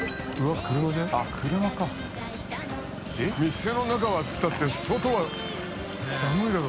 店の中は暑くたって外は寒いだろ。